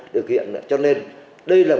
thực hiện cho nên đây là